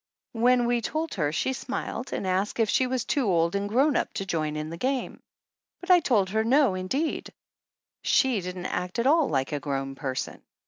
When we told her she smiled and asked if she was too old and grown up to join in the game, but I told her no indeed, she didn't act at all like a grown person.